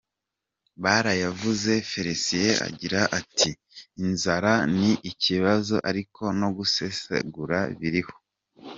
Barayavuze Felicien agira ati “ Inzara ni ikibazo ariko no gusesagura biriho.